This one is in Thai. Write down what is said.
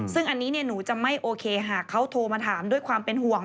ซึ่งอันนี้หนูจะไม่โอเคหากเขาโทรมาถามด้วยความเป็นห่วง